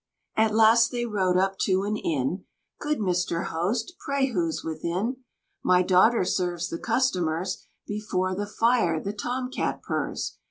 At last they rode up to an inn: "Good Mr. Host, pray who's within?" "My daughter serves the customers, Before the fire the Tom cat purrs."